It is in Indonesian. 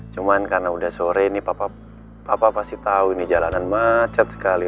cuman karena udah sore ini papa pasti tau ini jalanan macet sekali